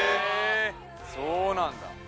そうなんだ」